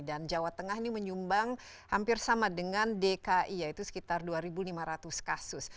dan jawa tengah ini menyumbang hampir sama dengan dki yaitu sekitar dua lima ratus kasus